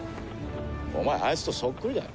お前あいつとそっくりだ。